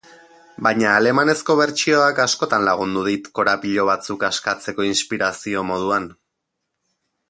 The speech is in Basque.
Baina alemanezko bertsioak askotan lagundu dit korapilo batzuk askatzeko inspirazio moduan.